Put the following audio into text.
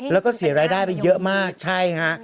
แล้วก็เสียรายได้ไปเยอะมากใช่ฮะ